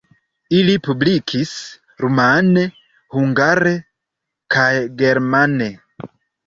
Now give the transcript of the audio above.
Li publikis rumane, hungare kaj germane.